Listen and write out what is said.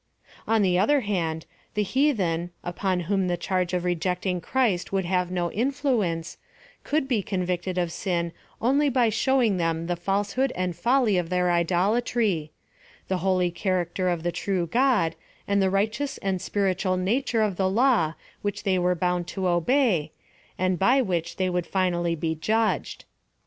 On the other hand, the heathen, upon whom the charge of rejecting Christ would have no influence, could be convicted of sin only by showing them the falsehood and folly of their iciolatry ; the holy char acter of the true God, and the righteous and spirit ual nature of the law which they were bound to obey, and by which they would finally be judged.